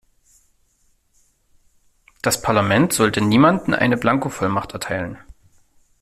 Das Parlament sollte niemandem eine Blankovollmacht erteilen.